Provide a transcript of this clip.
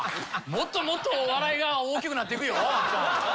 もっともっと笑いが大きくなっていくよ。